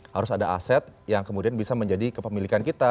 harus ada aset yang kemudian bisa menjadi kepemilikan kita